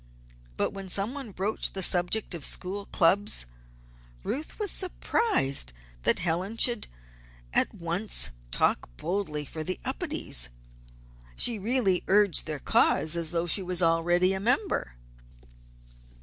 But when somebody broached the subject of school clubs, Ruth was surprised that Helen should at once talk boldly for the Upedes. She really urged their cause as though she was already a member.